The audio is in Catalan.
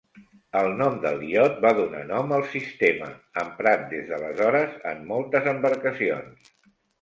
El nom del iot va donar nom al sistema, emprat des d’aleshores en moltes embarcacions.